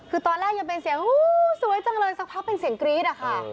คือตอนแรกยังเป็นเสียงสวยจังเลยสักพักเป็นเสียงกรี๊ดอะค่ะ